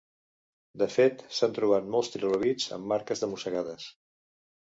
De fet, s'han trobat molts trilobits amb marques de mossegades.